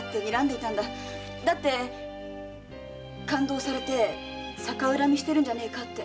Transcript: だって勘当されて逆恨みしてるんじゃねえかって。